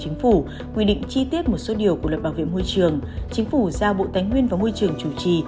nguyên định chi tiết một số điều của lập bảo viện môi trường chính phủ giao bộ tánh nguyên và môi trường chủ trì